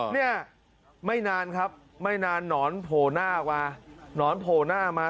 เนี่ยไม่นานครับนอนโผ่หน้ามา